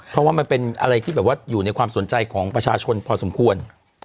เพราะว่ามันเป็นอะไรที่แบบว่าอยู่ในความสนใจของประชาชนพอสมควร